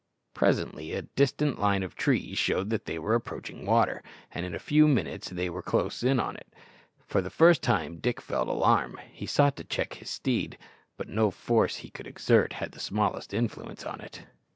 Presently a distant line of trees showed that they were approaching water, and in a few minutes they were close on it. For the first time Dick felt alarm. He sought to check his steed, but no force he could exert had the smallest influence on it.